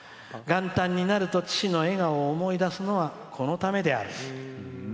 元旦になると父の笑顔を思い出すのはこのためである」。